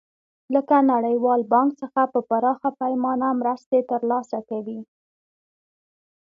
لکه نړیوال بانک څخه په پراخه پیمانه مرستې تر لاسه کوي.